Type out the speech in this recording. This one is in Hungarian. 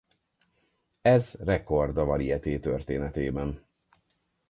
Ez rekord a varieté történetében.